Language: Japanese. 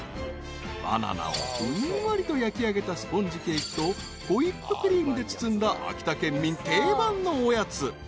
［バナナをふんわりと焼きあげたスポンジケーキとホイップクリームで包んだ秋田県民定番のおやつ］